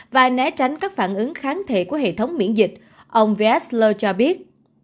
và né tránh các phản ứng kháng thể của hệ thống miễn dịch ông veassler cho biết